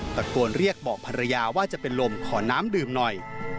ตะโกนเรียกบอกภรรยาว่าจะเป็นลมขอน้ำดื่มหน่อย